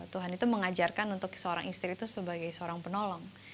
tuhan itu mengajarkan untuk seorang istri itu sebagai seorang penolong